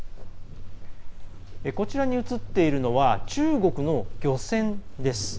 こちらに映っているのは中国の漁船です。